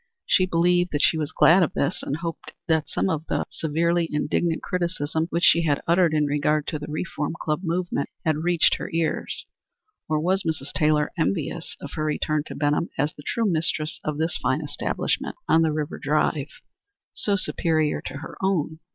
She believed that she was glad of this, and hoped that some of the severely indignant criticism which she had uttered in regard to the Reform Club movement had reached her ears. Or was Mrs. Taylor envious of her return to Benham as the true mistress of this fine establishment on the River Drive, so superior to her own?